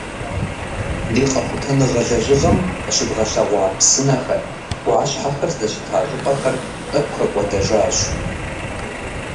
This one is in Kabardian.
Ди къэхутэныгъэ лэжьыгъэм къыщыдгъэлъэгъуа псынэхэр, ӏуащхьэхэр здэщыта щӏыпӏэхэр тӏэкӏу хэкӏуэдэжащ.